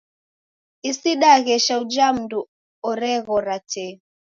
Isi daghesha uja mndu oreghora tee.